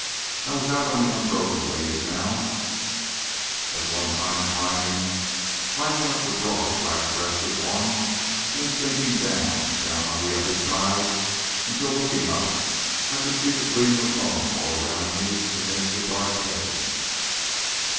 I was out on the unbroken waves now, at one time climbing, climbing up the broad black breast of one, then sinking down, down on the other side, until looking up I could see the gleam of the foam all around me against the dark heavens.